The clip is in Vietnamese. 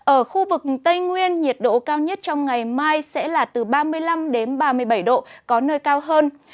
ở khu vực tây nguyên nhiệt độ cao nhất trong ngày mai sẽ là từ ba mươi năm đến ba mươi bảy độ có nơi cao hơn